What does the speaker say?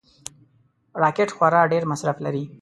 راکټ خورا ډېر مصرف لري